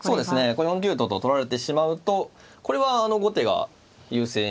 これ４九とと取られてしまうとこれは後手が優勢になりますね。